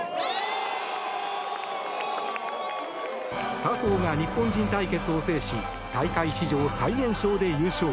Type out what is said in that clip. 笹生が日本人対決を制し大会史上最年少で優勝。